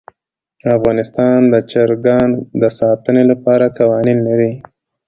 افغانستان د چرګان د ساتنې لپاره قوانین لري.